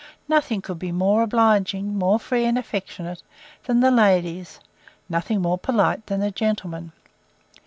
Nothing could be more obliging, more free and affectionate, than the ladies; nothing more polite than the gentlemen.